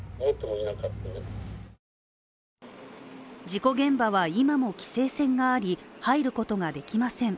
事故現場は今も規制線があり入ることができません。